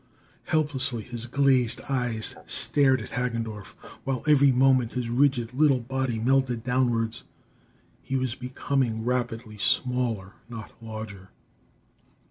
Helplessly, his glazed eyes stared at Hagendorff, while every moment his rigid little body melted downwards. He was becoming rapidly smaller, not larger!